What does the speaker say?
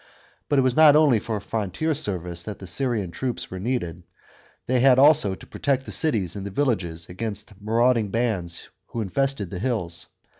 But it was not only for frontier service that the Syrian troops were needed ; they had also to protect the cities and the villnges against marauding bands who infested the hills.